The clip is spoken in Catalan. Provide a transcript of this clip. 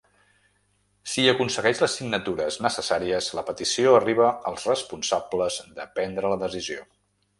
Si aconsegueix les signatures necessàries, la petició arriba als responsables de prendre la decisió.